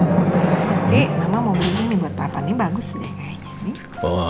nanti mama mau beli mie buat papa ini bagus deh kayaknya